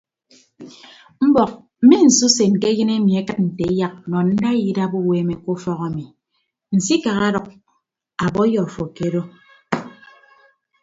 Mbọk mme nsusen ke ayịn ami akịd nte eyak nọ ndaiya idap uweeme ke ufọk ami nsikak ọdʌk a bọi afo kedo.